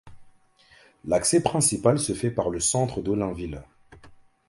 L’accès principal se fait par le centre d'Ollainville.